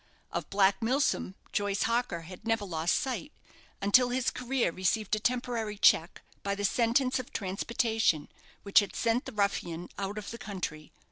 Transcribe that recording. Of Black Milsom, Joyce Harker had never lost sight, until his career received a temporary check by the sentence of transportation, which had sent the ruffian out of the country.